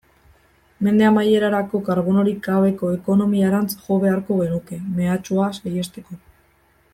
Mende amaierarako karbonorik gabeko ekonomiarantz jo beharko genuke, mehatxua saihesteko.